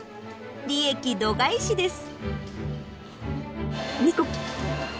利益度外視です。